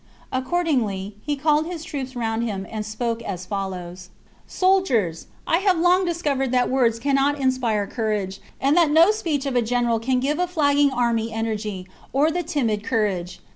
Accordingly, he called his troops around him, and spoke as follows :— CHAP. " Soldiers, I have long discovered that words cannot inspire courage, and that no speech of a general can give a flagging army energy, or the timid courage.